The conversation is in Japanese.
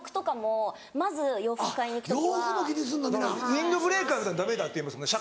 ウインドブレーカーみたいのダメだっていいますもんね